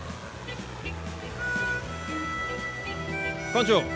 館長